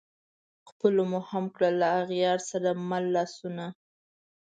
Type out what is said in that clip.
خلپو مو هم کړل له اغیارو سره مله لاسونه